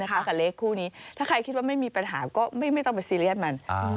กับเลขคู่นี้ถ้าใครคิดว่าไม่มีปัญหาก็ไม่ต้องไปซีเรียสมัน